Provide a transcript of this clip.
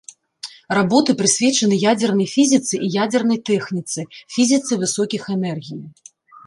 Работы прысвечаны ядзернай фізіцы і ядзернай тэхніцы, фізіцы высокіх энергій.